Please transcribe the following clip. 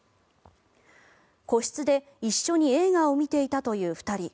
個室で一緒に映画を見ていたという２人。